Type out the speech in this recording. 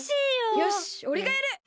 よしおれがやる！